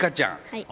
はい。